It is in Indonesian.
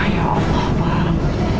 ya allah bang